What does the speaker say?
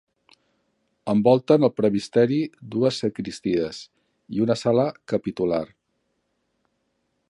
Envolten el presbiteri dues sagristies i una sala capitular.